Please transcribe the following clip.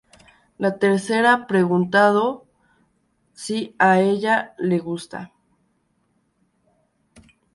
La tercera preguntando si a ella le gusta.